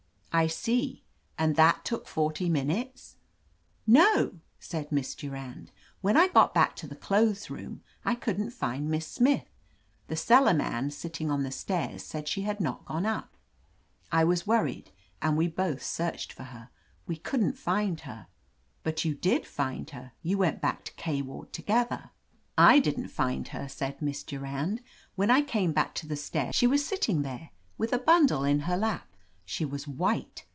"I see. And that took forty minutes?" "No," said Miss Durand. "When I got back to the clothes room, I couldn't find Miss Smith. The cellar man, sitting on the stairs, said she had not gone up. I was worried, and we both searched for her. We couldn't find her." "But you did find her. You went back to K ward together." "I didn't find her," said Miss Durand. "When I came back to the stairs, she was sit ting there, with a bundle in her lap. She was white.